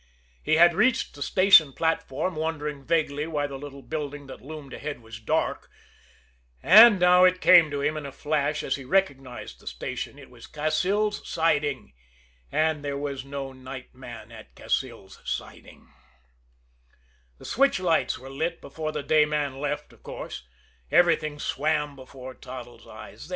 He had reached the station platform, wondering vaguely why the little building that loomed ahead was dark and now it came to him in a flash, as he recognized the station. It was Cassil's Siding and there was no night man at Cassil's Siding! The switch lights were lit before the day man left, of course. Everything swam before Toddles' eyes.